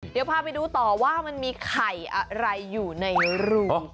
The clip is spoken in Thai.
เดี๋ยวพาไปดูต่อว่ามันมีไข่อะไรอยู่ในรู